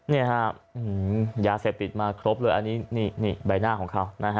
นี่ฮะยาเสพติดมาครบเลยอันนี้นี่ใบหน้าของเขานะฮะ